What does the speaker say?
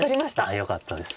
よかったです。